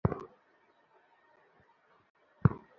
এসব বালছাল বলার কোনো অধিকার তর নেই।